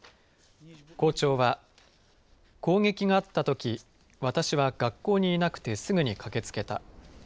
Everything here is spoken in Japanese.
校長は攻撃があったとき、私は学校にいなくてすぐに駆けつけた。